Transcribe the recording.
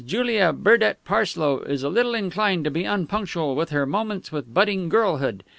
Julia Burdett Parslow is a little inclined to be unpunctual with her 'Moments with Budding Girlhood.'